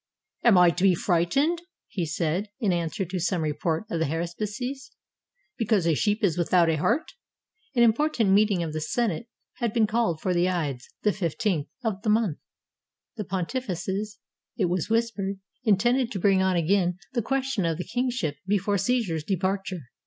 "Am I to be frightened," he said, in answer to some report of the haruspices, "because a sheep is without a heart? " 375 ROME An important meeting of the Senate had been called for the Ides (the 15th) of the month. The Pontifices, it was whispered, intended to bring on again the ques tion of the kingship before Caesar's departure.